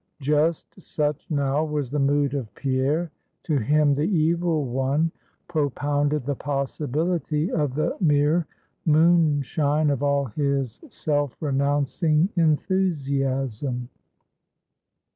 Just such now was the mood of Pierre; to him the Evil One propounded the possibility of the mere moonshine of all his self renouncing Enthusiasm.